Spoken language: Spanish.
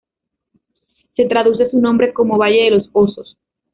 Se traduce su nombre como "valle de los osos".